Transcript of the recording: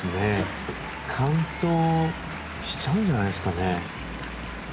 完登しちゃうんじゃないですかね。